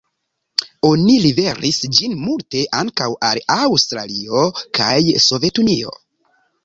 Oni liveris ĝin multe ankaŭ al Aŭstralio kaj Sovetunio.